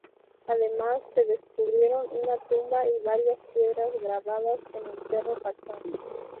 Además se descubrieron una tumba y varias piedras grabadas en el Cerro Pachón.